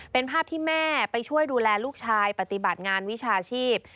เป็นภาพที่แม่ไปช่วยดูแลลูกชายปฏิบัติงานวิชาชีพ